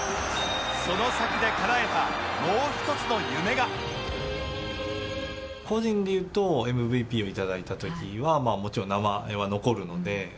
その先でかなえた個人でいうと ＭＶＰ を頂いた時はまあもちろん名前は残るので。